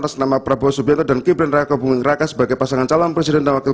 atas nama prabowo subianto dan gibran raka buming raka sebagai pasangan calon presiden dan wakil presiden